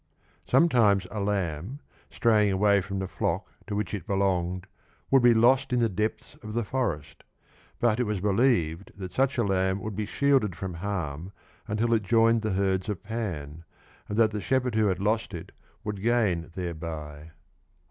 Some times a lamb, straying away from the Hock to which it belonged, would be lost in the depths of the forest, but it was believed that such a lamb would be shielded from harm until it joined the herds of Pan, and that the shepherd who had lost it would gain thereby (78).